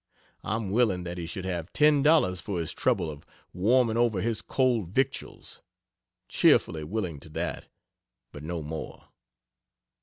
I'm willing that he should have ten dollars for his trouble of warming over his cold victuals cheerfully willing to that but no more.